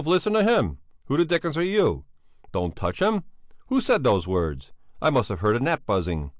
Listen to him! Who the dickens are you? Don't touch him! Who said those words? I must have heard a gnat buzzing.